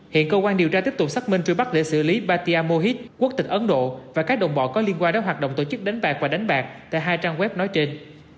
hiện cơ quan điều tra tiếp tục xác minh truy bắt để xử lý batia mohit quốc tịch ấn độ và các đồng bọn có liên quan đến hoạt động tổ chức đánh bạc và đánh bạc tại hai trang web nói trên